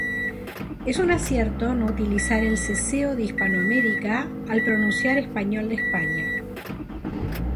Es un acierto no utilizar el seseo de Hispanoamérica al pronunciar Español de España